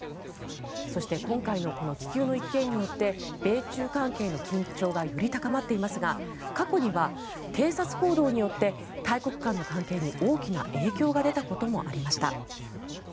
そして今回の気球の一件によって米中関係の緊張がより高まっていますが過去には偵察行動によって大国間の関係に大きな影響が出たこともありました。